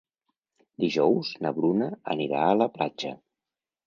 Dijous na Bruna anirà a la platja.